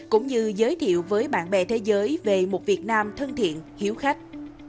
cũng như giới thiệu với bạn bè thế giới về một việt nam thân thiện hiếu khách